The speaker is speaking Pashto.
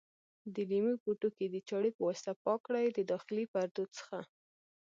د لیمو پوټکي د چاړې په واسطه پاک کړئ د داخلي پردو څخه.